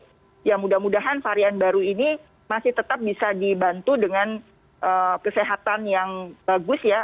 jadi ya mudah mudahan varian baru ini masih tetap bisa dibantu dengan kesehatan yang bagus ya